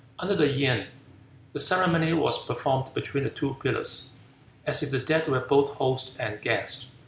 Under the Yin, the ceremony was performed between the two pillars, as if the dead were both host and guest.